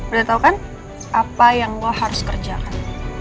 udah tau kan apa yang gue harus kerjakan